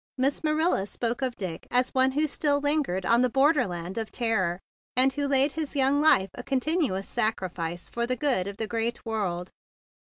Miss Marilla spoke of Dick as of one who still lingered on the border land of ter¬ ror, and who laid his young life a con¬ tinuous sacrifice for the good of the great world.